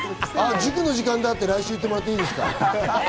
塾の時間だって来週は言ってもらっていいですか？